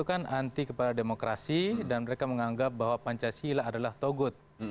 itu kan anti kepada demokrasi dan mereka menganggap bahwa pancasila adalah togut